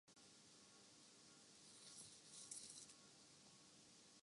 نوجوان کرکٹر حسین طلعت اور اصف علی کا ٹی میں ڈیبیو